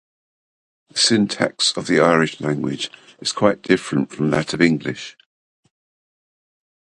The syntax of the Irish language is quite different from that of English.